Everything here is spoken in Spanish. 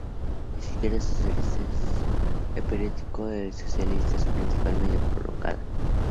Izquierda Socialista edita semanalmente el periódico "El Socialista"", "su principal medio de propaganda.